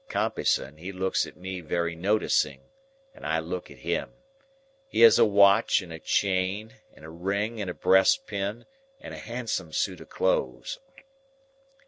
"Compeyson, he looks at me very noticing, and I look at him. He has a watch and a chain and a ring and a breast pin and a handsome suit of clothes.